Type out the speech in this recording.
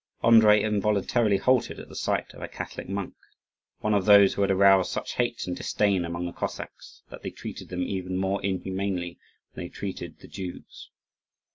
Andrii involuntarily halted at the sight of a Catholic monk one of those who had aroused such hate and disdain among the Cossacks that they treated them even more inhumanly than they treated the Jews.